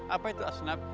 apa itu asnaf